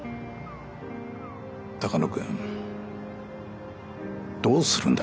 鷹野君どうするんだ？